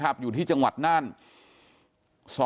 กลุ่มตัวเชียงใหม่